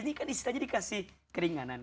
ini kan isi saja dikasih keringanan